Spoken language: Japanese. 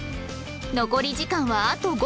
残り時間はあと５分